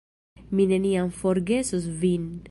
Mi neniam forgesos vin!